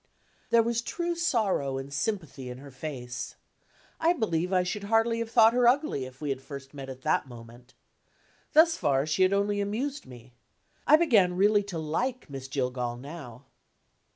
There was true sorrow and sympathy in her face. I believe I should hardly have thought her ugly, if we had first met at that moment. Thus far, she had only amused me. I began really to like Miss Jillgall now.